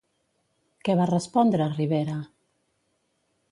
Què va respondre, Rivera?